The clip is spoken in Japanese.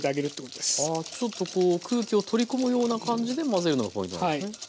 ちょっと空気を取り込むような感じで混ぜるのがポイントなんですね。